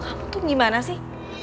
kamu tuh gimana sih